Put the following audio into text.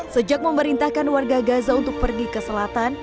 sejak memerintahkan warga gaza untuk pergi ke selatan